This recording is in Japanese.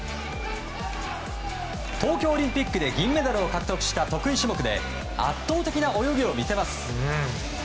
東京オリンピックで銀メダルを獲得した得意種目で圧倒的な泳ぎを見せます。